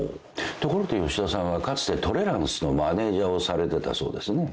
ところで吉田さんはかつてトレランスのマネジャーをされてたそうですね。